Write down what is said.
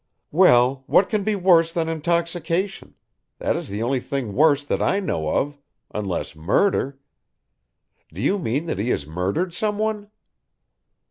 "Well, what can be worse than intoxication that is the only thing worse that I know of unless murder. Do you mean that he has murdered someone?"